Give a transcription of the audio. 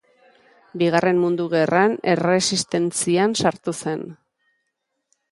Bigarren Mundu Gerran Erresistentzian sartu zen.